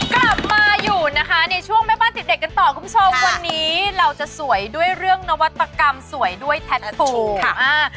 กลับมาอยู่นะคะในช่วงแม่บ้านติดเด็กกันต่อคุณผู้ชมวันนี้เราจะสวยด้วยเรื่องนวัตกรรมสวยด้วยแท็กฟูค่ะ